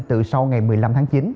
từ sau ngày một mươi năm tháng chín